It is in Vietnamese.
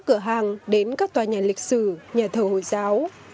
cửa hàng đến các tòa nhà lịch sử nhà thờ hồi giáo